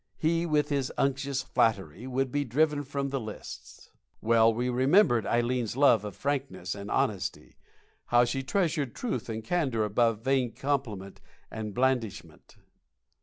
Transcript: He, with his unctuous flattery, would be driven from the lists. Well we remembered Ileen's love of frankness and honesty how she treasured truth and candor above vain compliment and blandishment.